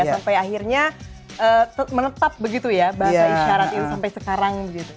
sampai akhirnya menetap begitu ya bahasa isyarat itu sampai sekarang gitu